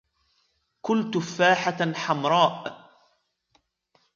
كل تفاحة حمراء.